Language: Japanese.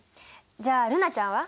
じゃあ瑠菜ちゃんは？